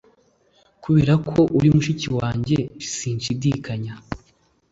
kuberako uri mushiki wanjye sinshidikanya